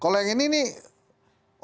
kalau yang ini nih